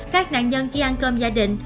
các nạn nhân chỉ ăn cơm gia đình